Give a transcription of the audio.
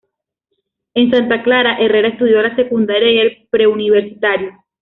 En Santa Clara, Herrera estudió la secundaria y el preuniversitario.